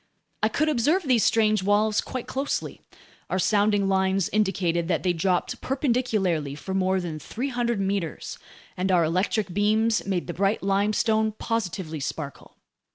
I could observe these strange walls quite closely: our sounding lines indicated that they dropped perpendicularly for more than 300 meters, and our electric beams made the bright limestone positively sparkle.